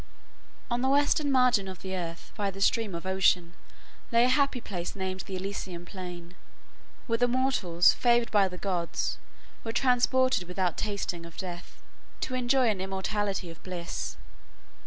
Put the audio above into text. On the western margin of the earth, by the stream of Ocean, lay a happy place named the Elysian Plain, whither mortals favored by the gods were transported without tasting of death, to enjoy an immortality of bliss.